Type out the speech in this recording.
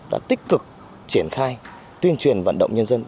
đã tích cực triển khai tuyên truyền vận động nhân dân